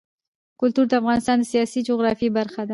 کلتور د افغانستان د سیاسي جغرافیه برخه ده.